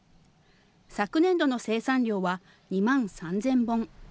昨年度の生産量は２万３０００本。